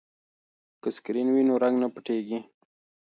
که سکرین وي نو رنګ نه پټیږي.